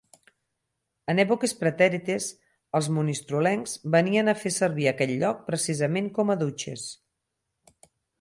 En èpoques pretèrites, els monistrolencs venien a fer servir aquest lloc precisament com a dutxes.